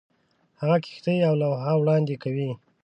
هغه کښېني او لوحه وړاندې کوي.